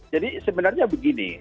jadi sebenarnya begini